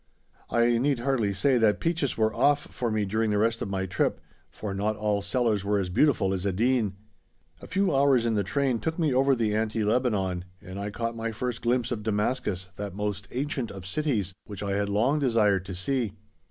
I need hardly say that peaches were "off" for me during the rest of my trip, for not all sellers were as beautiful as Edeen! A few hours in the train took me over the Anti Lebanon, and I caught my first glimpse of Damascus, that most ancient of cities, which I had long desired to see.